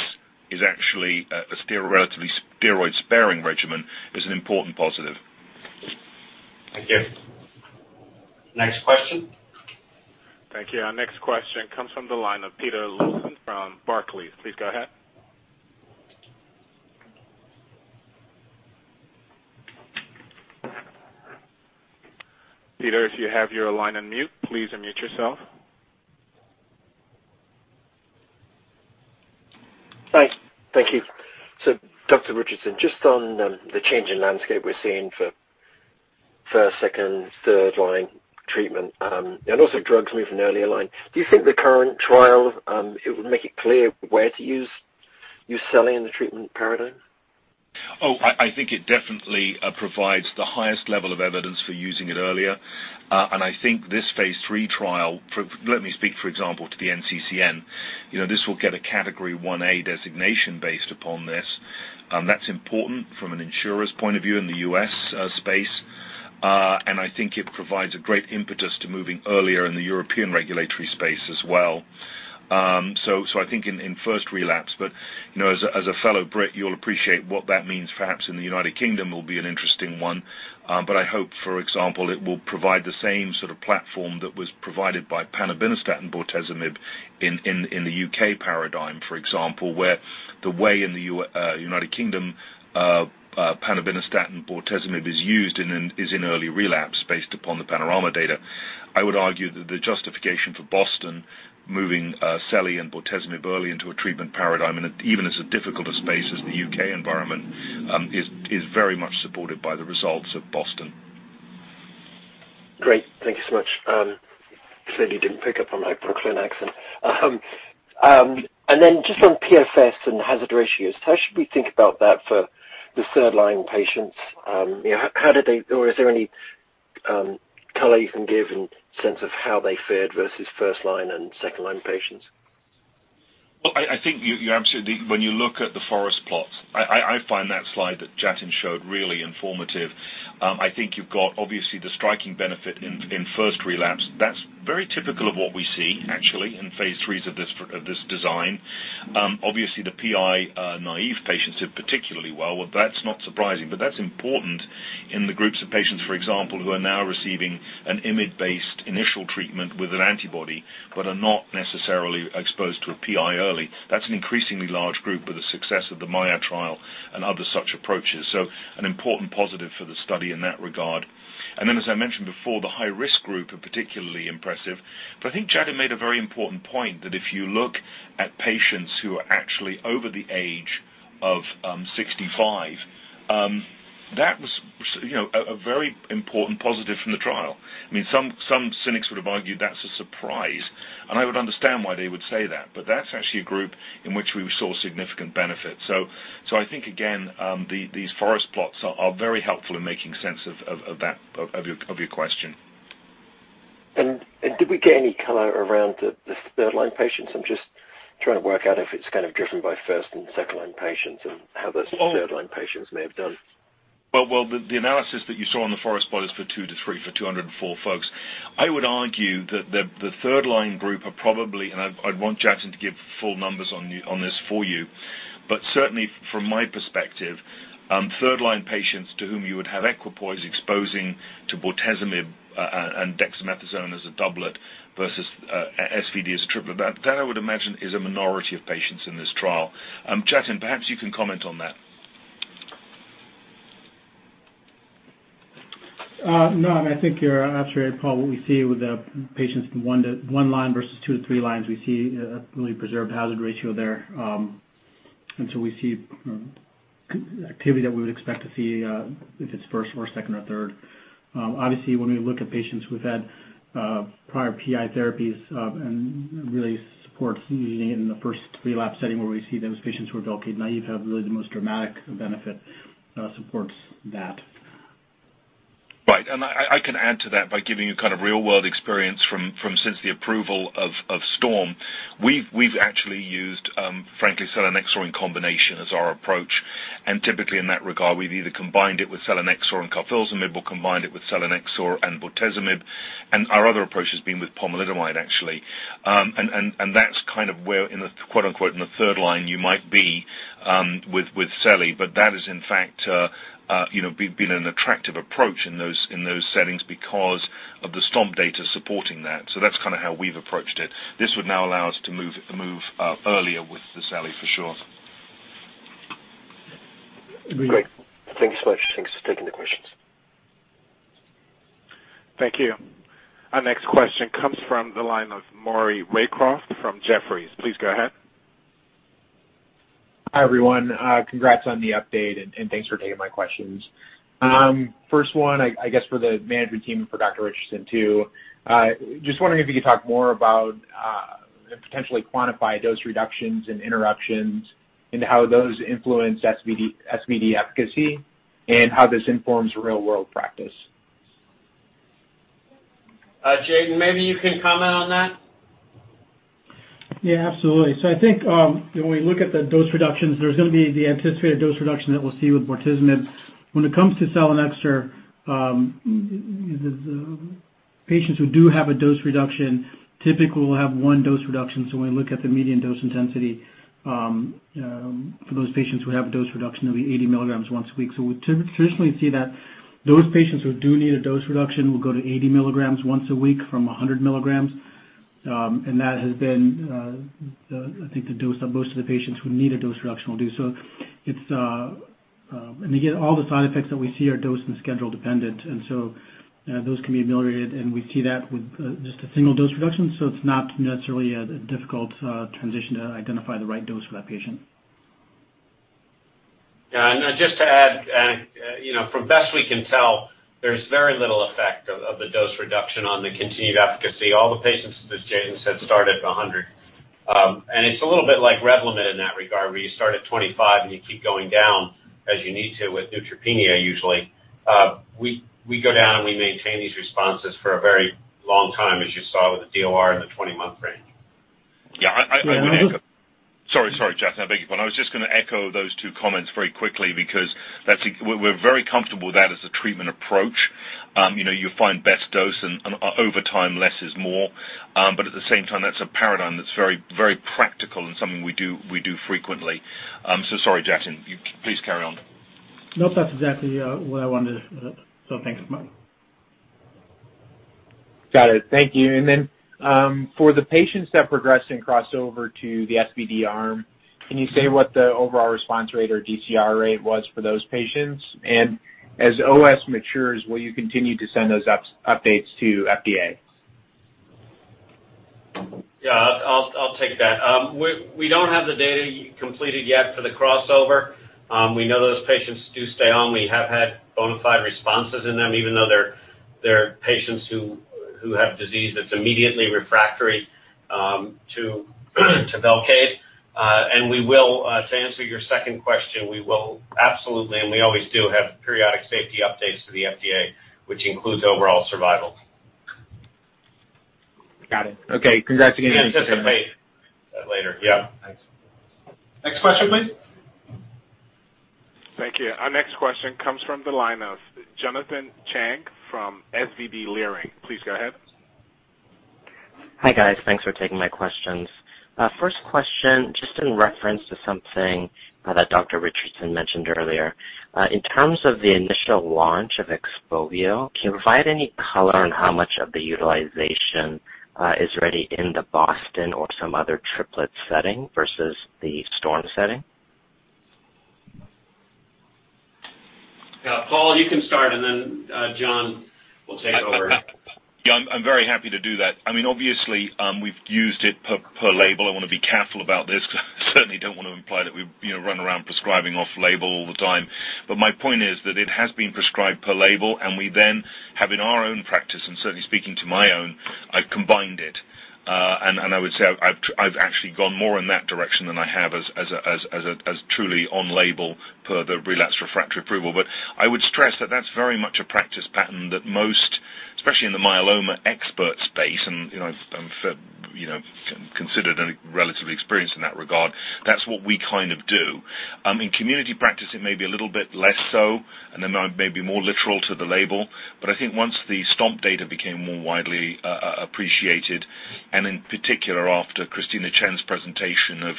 is actually a relatively steroid-sparing regimen is an important positive. Thank you. Next question? Thank you. Our next question comes from the line of Peter Lawson from Barclays. Please go ahead. Peter, if you have your line on mute, please unmute yourself. Thanks. Thank you. Dr. Richardson, just on the change in landscape we're seeing for first, second, third-line treatment, and also drugs moving earlier line. Do you think the current trial, it will make it clear where to use selinexor in the treatment paradigm? Oh, I think it definitely provides the highest level of evidence for using it earlier. I think this phase III trial, let me speak, for example, to the NCCN. This will get a category one designation based upon this. That's important from an insurer's point of view in the U.S. space. I think it provides a great impetus to moving earlier in the European regulatory space as well. I think in first relapse. As a fellow Brit, you'll appreciate what that means perhaps in the United Kingdom will be an interesting one. I hope, for example, it will provide the same sort of platform that was provided by panobinostat and bortezomib in the U.K. paradigm, for example, where the way in the United Kingdom panobinostat and bortezomib is used is in early relapse based upon the PANORAMA data. I would argue that the justification for BOSTON moving carfilzomib and bortezomib early into a treatment paradigm, and even as a difficult a space as the U.K. environment, is very much supported by the results of BOSTON. Great. Thank you so much. Clearly didn't pick up on my Brooklyn accent. Then just on PFS and hazard ratios, how should we think about that for the third-line patients? Is there any color you can give in sense of how they fared versus first-line and second-line patients? Well, I think when you look at the forest plots, I find that slide that Jatin showed really informative. I think you've got, obviously, the striking benefit in first relapse. That's very typical of what we see, actually, in phase III of this design. Obviously, the PI-naive patients did particularly well. That's not surprising, that's important in the groups of patients, for example, who are now receiving an IMiD-based initial treatment with an antibody but are not necessarily exposed to a PI early. That's an increasingly large group with the success of the MAIA trial and other such approaches. An important positive for the study in that regard. As I mentioned before, the high-risk group are particularly impressive. I think Jatin made a very important point that if you look at patients who are actually over the age of 65, that was a very important positive from the trial. Some cynics would have argued that's a surprise, and I would understand why they would say that. That's actually a group in which we saw significant benefit. I think, again, these forest plots are very helpful in making sense of your question. Did we get any color around the third-line patients? I'm just trying to work out if it's kind of driven by 1st-line and 2nd-line patients and how those 3rd-line patients may have done. The analysis that you saw on the forest plot is for two to three, for 204 folks. I would argue that the third-line group are probably, and I'd want Jatin to give full numbers on this for you, but certainly from my perspective, third-line patients to whom you would have equipoise exposing to bortezomib and dexamethasone as a doublet versus SVd as a triplet. That I would imagine is a minority of patients in this trial. Jatin, perhaps you can comment on that. No, I think you're absolutely right, Paul. What we see with the patients from one line versus two to three lines, we see a really preserved hazard ratio there. We see activity that we would expect to see if it's first or second or third. Obviously, when we look at patients who've had prior PI therapies and really support needing it in the first relapse setting where we see those patients who are VELCADE naive have really the most dramatic benefit, supports that. Right. I can add to that by giving you real-world experience from since the approval of STORM. We've actually used, frankly, selinexor in combination as our approach. Typically in that regard, we've either combined it with selinexor and carfilzomib or combined it with selinexor and bortezomib, and our other approach has been with pomalidomide, actually. That's where in the quote unquote "in the third line" you might be with seli, but that has in fact been an attractive approach in those settings because of the STORM data supporting that. That's how we've approached it. This would now allow us to move earlier with the seli for sure. Agreed. Great. Thank you so much. Thanks for taking the questions. Thank you. Our next question comes from the line of Maury Raycroft from Jefferies. Please go ahead. Hi, everyone. Congrats on the update, and thanks for taking my questions. First one, I guess for the management team and for Dr. Richardson too. Just wondering if you could talk more about, and potentially quantify dose reductions and interruptions and how those influence SVd efficacy and how this informs real-world practice. Jatin, maybe you can comment on that. Yeah, absolutely. I think when we look at the dose reductions, there's going to be the anticipated dose reduction that we'll see with bortezomib. When it comes to selinexor, the patients who do have a dose reduction typically will have one dose reduction. When we look at the median dose intensity for those patients who have a dose reduction, it'll be 80 mg once a week. We traditionally see that those patients who do need a dose reduction will go to 80 mg once a week from 100 mg. That has been, I think, the dose that most of the patients who need a dose reduction will do. Again, all the side effects that we see are dose and schedule dependent. Those can be ameliorated, and we see that with just a single dose reduction. It's not necessarily a difficult transition to identify the right dose for that patient. Yeah. Just to add, from best we can tell, there's very little effect of the dose reduction on the continued efficacy. All the patients, as Jatin said, start at 100. It's a little bit like REVLIMID in that regard, where you start at 25 and you keep going down as you need to with neutropenia usually. We go down, we maintain these responses for a very long time, as you saw with the DOR in the 20-month range. Yeah, I would echo. Sorry, Jatin. I beg your pardon. I was just going to echo those two comments very quickly because we're very comfortable with that as a treatment approach. You find the best dose, over time, less is more. At the same time, that's a paradigm that's very practical and something we do frequently. Sorry, Jatin. Please carry on. Nope. That's exactly what I wanted. Thanks, Maury. Got it. Thank you. For the patients that progressed in crossover to the SVd arm, can you say what the overall response rate or DCR rate was for those patients? As OS matures, will you continue to send those updates to FDA? Yeah, I'll take that. We don't have the data completed yet for the crossover. We know those patients do stay on. We have had bona fide responses in them, even though they're patients who have disease that's immediately refractory to VELCADE. To answer your second question, we will absolutely, and we always do have periodic safety updates to the FDA, which includes overall survival. Got it. Okay. Congrats again. Anticipate that later. Yeah. Thanks. Next question, please. Thank you. Our next question comes from the line of Jonathan Chang from SVB Leerink. Please go ahead. Hi, guys. Thanks for taking my questions. First question, just in reference to something that Dr. Richardson mentioned earlier. In terms of the initial launch of XPOVIO, can you provide any color on how much of the utilization is already in the BOSTON or some other triplet setting versus the STORM setting? Yeah. Paul, you can start, and then John will take over. Yeah, I'm very happy to do that. Obviously, we've used it per label. I want to be careful about this because I certainly don't want to imply that we run around prescribing off-label all the time. My point is that it has been prescribed per label, and we then have in our own practice, and certainly speaking to my own, I've combined it. I would say I've actually gone more in that direction than I have as truly on-label per the relapse-refractory approval. I would stress that that's very much a practice pattern that most, especially in the myeloma expert space, and I'm considered relatively experienced in that regard. That's what we kind of do. In community practice, it may be a little bit less so and then maybe more literal to the label. I think once the STOMP data became more widely appreciated, and in particular after Christine Chen's presentation of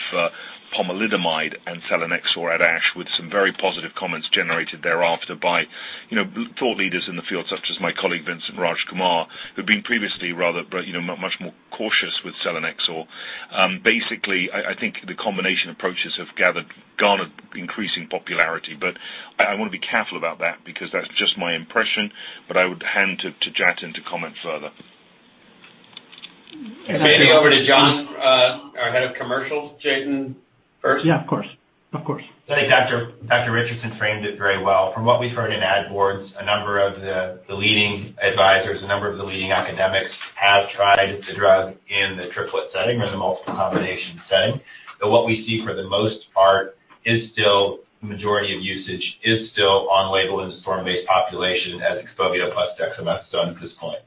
pomalidomide and selinexor at ASH with some very positive comments generated thereafter by thought leaders in the field, such as my colleague Vincent Rajkumar, who'd been previously rather much more cautious with selinexor. Basically, I think the combination approaches have garnered increasing popularity. I want to be careful about that because that's just my impression. I would hand to Jatin to comment further. Maybe over to John, our head of commercial. Jatin first? Yeah, of course. I think Dr. Richardson framed it very well. From what we've heard in ad boards, a number of the leading advisors, a number of the leading academics have tried the drug in the triplet setting or the multiple combination setting. What we see for the most part is still the majority of usage is still on-label in this STORM-based population as selinexor plus dexamethasone at this point.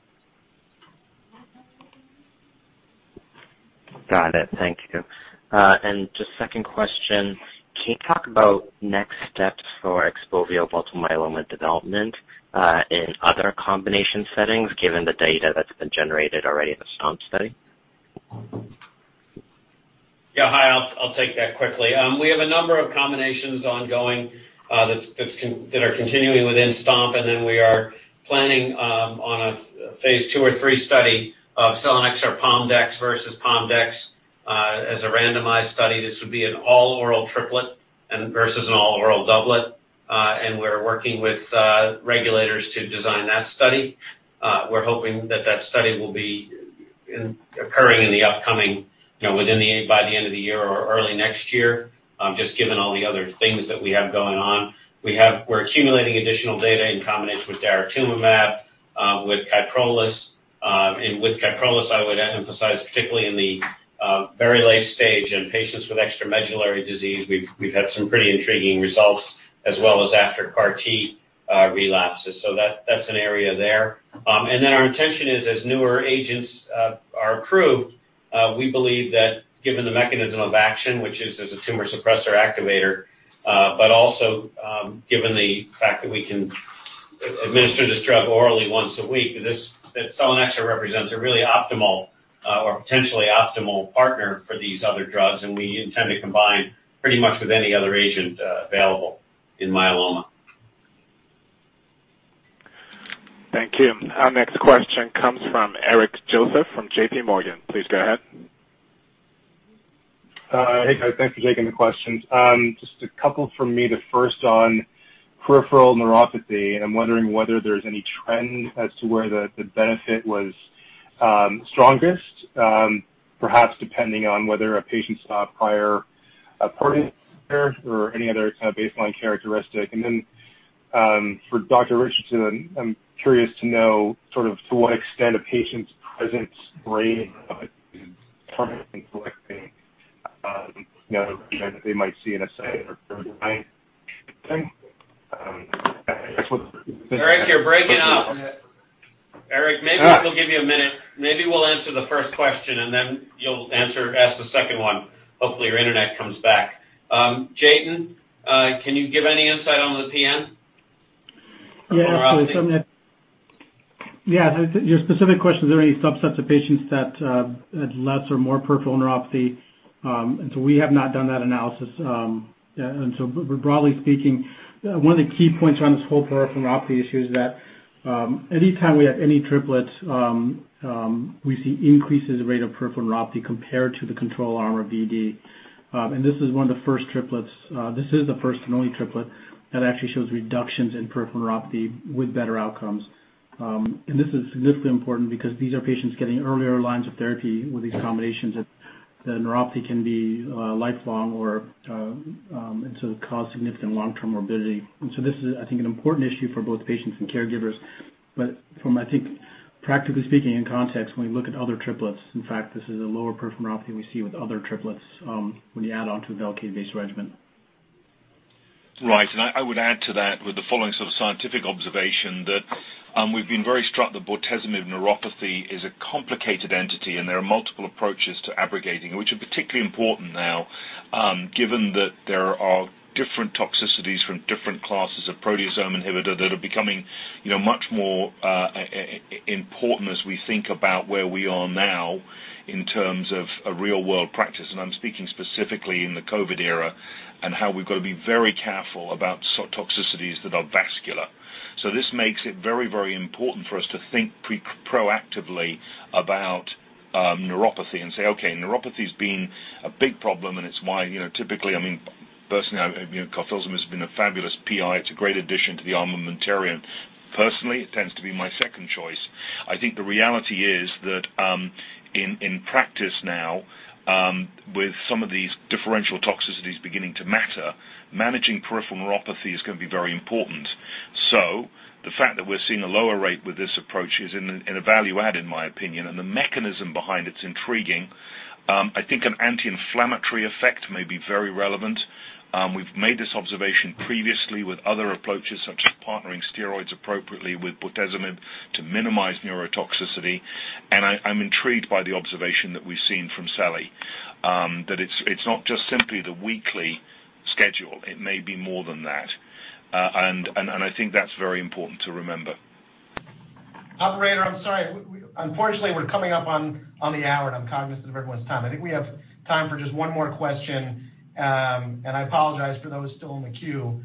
Got it. Thank you. Just second question, can you talk about next steps for selinexor multiple myeloma development, in other combination settings, given the data that's been generated already in the STOMP study? Hi, I'll take that quickly. We have a number of combinations ongoing that are continuing within STOMP, we are planning on a phase II or III study of selinexor pom-dex versus pom-dex as a randomized study. This would be an all-oral triplet versus an all-oral doublet. We're working with regulators to design that study. We're hoping that that study will be occurring by the end of the year or early next year, just given all the other things that we have going on. We're accumulating additional data in combination with daratumumab, with KYPROLIS. With KYPROLIS, I would emphasize particularly in the very late stage in patients with extramedullary disease, we've had some pretty intriguing results as well as after CAR T relapses. That's an area there. Our intention is as newer agents are approved, we believe that given the mechanism of action, which is as a tumor suppressor activator, but also given the fact that we can administer this drug orally once a week, that selinexor represents a really optimal or potentially optimal partner for these other drugs, and we intend to combine pretty much with any other agent available in myeloma. Thank you. Our next question comes from Eric Joseph from JPMorgan. Please go ahead. Hi. Thanks for taking the questions. Just a couple from me. The first on peripheral neuropathy. I'm wondering whether there's any trend as to where the benefit was strongest, perhaps depending on whether a patient's prior or any other kind of baseline characteristic. For Dr. Richardson, I'm curious to know sort of to what extent a patient's present they might see in a setting. [inaudible] Eric, you're breaking up. Eric, maybe we'll give you a minute. Maybe we'll answer the first question, and then you'll ask the second one. Hopefully, your internet comes back. Jatin, can you give any insight on the PN? Yeah. Your specific question, is there any subsets of patients that had less or more peripheral neuropathy? We have not done that analysis. Broadly speaking, one of the key points around this whole peripheral neuropathy issue is that anytime we have any triplets, we see increases in rate of peripheral neuropathy compared to the control arm or Vd. This is the first and only triplet that actually shows reductions in peripheral neuropathy with better outcomes. This is significantly important because these are patients getting earlier lines of therapy with these combinations that the neuropathy can be lifelong or cause significant long-term morbidity. This is, I think, an important issue for both patients and caregivers. From, I think, practically speaking in context, when we look at other triplets, in fact, this is a lower peripheral neuropathy we see with other triplets when you add on to a VELCADE-based regimen. Right. I would add to that with the following sort of scientific observation that we've been very struck that bortezomib neuropathy is a complicated entity and there are multiple approaches to abrogating, which are particularly important now, given that there are different toxicities from different classes of proteasome inhibitor that are becoming much more important as we think about where we are now in terms of a real-world practice, and I'm speaking specifically in the COVID era and how we've got to be very careful about toxicities that are vascular. This makes it very important for us to think proactively about neuropathy and say, "Okay, neuropathy has been a big problem," and it's why, typically, I mean, personally, carfilzomib has been a fabulous PI. It's a great addition to the armamentarium. Personally, it tends to be my second choice. I think the reality is that in practice now, with some of these differential toxicities beginning to matter, managing peripheral neuropathy is going to be very important. The fact that we're seeing a lower rate with this approach is a value add, in my opinion, and the mechanism behind it's intriguing. I think an anti-inflammatory effect may be very relevant. We've made this observation previously with other approaches, such as partnering steroids appropriately with bortezomib to minimize neurotoxicity, and I'm intrigued by the observation that we've seen from seli. That it's not just simply the weekly schedule, it may be more than that. I think that's very important to remember. Operator, I'm sorry. Unfortunately, we're coming up on the hour, and I'm conscious of everyone's time. I think we have time for just one more question, and I apologize for those still in the queue.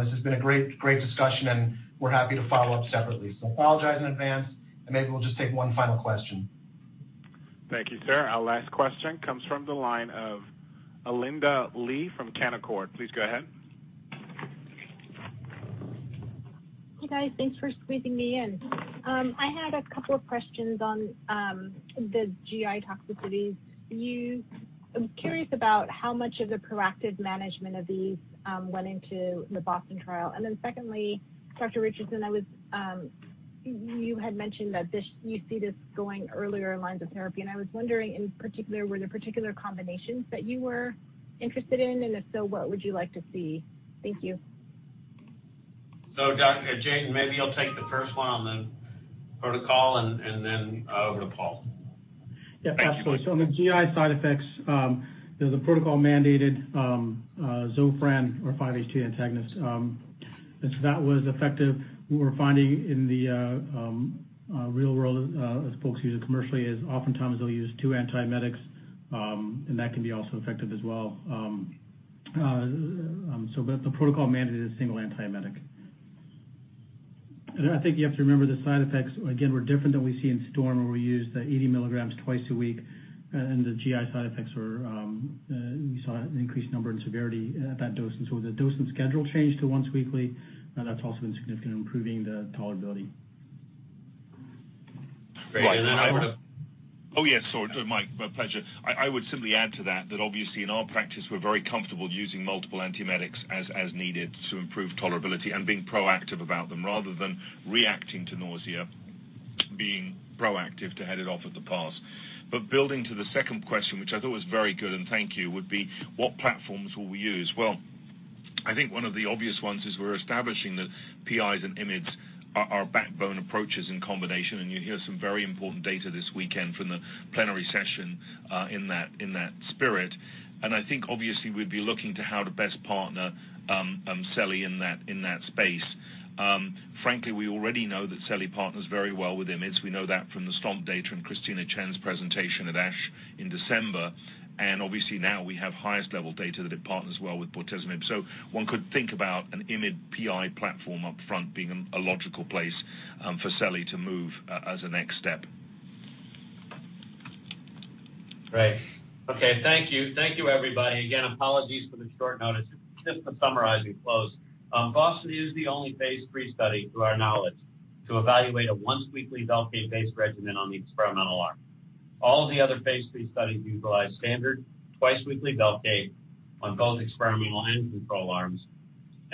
This has been a great discussion, and we're happy to follow up separately. Apologize in advance, and maybe we'll just take one final question. Thank you, sir. Our last question comes from the line of Arlinda Lee from Canaccord. Please go ahead. Hey, guys. Thanks for squeezing me in. I had a couple of questions on the GI toxicities. I'm curious about how much of the proactive management of these went into the BOSTON trial. Secondly, Dr. Richardson, you had mentioned that you see this going earlier in lines of therapy, and I was wondering in particular, were there particular combinations that you were interested in? If so, what would you like to see? Thank you. Dr. Jatin, maybe you'll take the first one on the protocol, and then over to Paul. Yeah, absolutely. On the GI side effects, the protocol mandated Zofran or 5-HT3 antagonists. That was effective. What we're finding in the real world as folks use it commercially is oftentimes they'll use two antiemetics, and that can be also effective as well. The protocol mandated a single antiemetic. I think you have to remember the side effects, again, were different than we see in STORM where we used the 80 mg twice a week, and the GI side effects were, we saw an increased number and severity at that dosing. The dosing schedule changed to once weekly. That's also been significant in improving the tolerability. Great. Oh, yes. Sorry, Mike, my pleasure. I would simply add to that obviously in our practice we're very comfortable using multiple antiemetics as needed to improve tolerability and being proactive about them, rather than reacting to nausea, being proactive to head it off at the pass. Building to the second question, which I thought was very good, and thank you, would be what platforms will we use? Well, I think one of the obvious ones is we're establishing that PIs and IMiDs are backbone approaches in combination, and you'll hear some very important data this weekend from the plenary session, in that spirit. I think obviously we'd be looking to how to best partner selinexor in that space. Frankly, we already know that selinexor partners very well with IMiDs. We know that from the STOMP data and Christine Chen's presentation at ASH in December. Obviously now we have highest-level data that it partners well with bortezomib. One could think about an IMiD/PI platform up front being a logical place for selinexor to move as a next step. Great. Okay. Thank you. Thank you, everybody. Again, apologies for the short notice. Just to summarize and close. BOSTON is the only phase III study to our knowledge to evaluate a once-weekly VELCADE-based regimen on the experimental arm. All the other phase III studies utilize standard twice-weekly VELCADE on both experimental and control arms.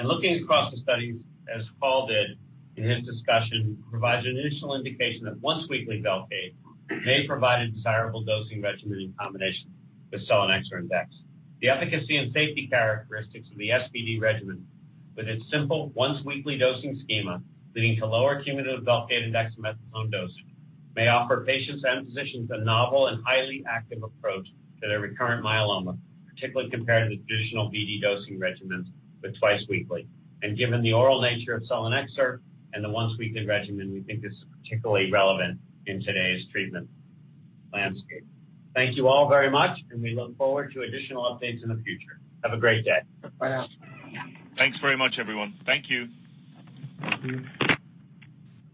Looking across the studies, as Paul did in his discussion, provides an initial indication that once-weekly VELCADE may provide a desirable dosing regimen in combination with selinexor and dex. The efficacy and safety characteristics of the SVd regimen with its simple once-weekly dosing schema leading to lower cumulative VELCADE index and dexamethasone dosing may offer patients and physicians a novel and highly active approach to their recurrent myeloma, particularly compared to the traditional Vd dosing regimens, with twice weekly. Given the oral nature of selinexor and the once-weekly regimen, we think is particularly relevant in today's treatment landscape. Thank you all very much, and we look forward to additional updates in the future. Have a great day. Bye now. Thanks very much, everyone. Thank you. Thank you.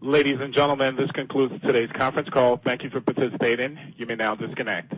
Ladies and gentlemen, this concludes today's conference call. Thank you for participating. You may now disconnect.